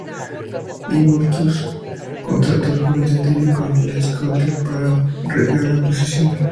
Immortus contrató al joven científico Niles Caulder para poder recrear la poción.